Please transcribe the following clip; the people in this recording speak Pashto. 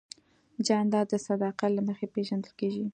جانداد د صداقت له مخې پېژندل کېږي.